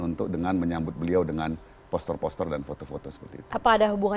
untuk dengan menyambut beliau dengan poster poster dan foto foto seperti itu